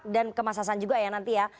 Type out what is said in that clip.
dan ke mas hasan juga ya nanti ya